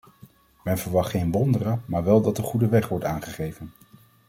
Men verwacht geen wonderen maar wel dat de goede weg wordt aangegeven.